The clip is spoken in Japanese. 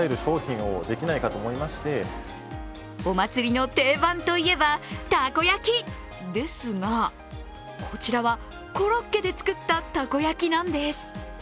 お祭りの定番といえばたこ焼きですが、こちらはコロッケで作ったたこ焼きなんです。